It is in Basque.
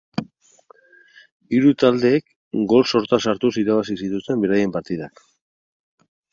Hiru taldeek gol sorta sartuz irabazi zituzten beraien partidak.